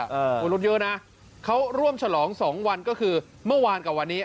มนุษย์เยอะนะเขาร่วมฉลองสองวันก็คือเมื่อวานกับวันนี้